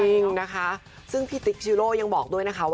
จริงนะคะซึ่งพี่ติ๊กชิโล่ยังบอกด้วยนะคะว่า